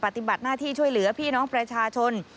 ปฏิบัติหน้าที่ช่วยเหลือพี่น้องประชาชน